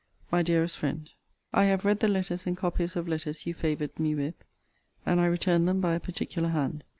MY DEAREST FRIEND, I have read the letters and copies of letters you favoured me with: and I return them by a particular hand.